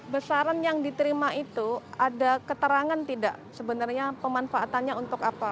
besaran yang diterima itu ada keterangan tidak sebenarnya pemanfaatannya untuk apa